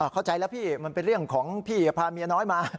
เข้าใจแล้วพี่มันเป็นเรื่องของพี่พาเมียน้อยมา